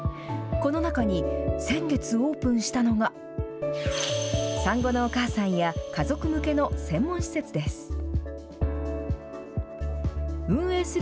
この中に先月オープンしたのが、産後のお母さんや、家族向けの専門施設です。